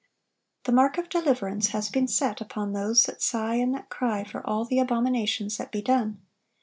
The mark of deliverance has been set upon those "that sigh and that cry for all the abominations that be done."